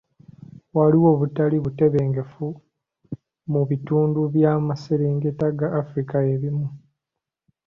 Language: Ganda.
Waliwo obutali butebenkevu mu bitundu by'amaserengeta ga Africa ebimu.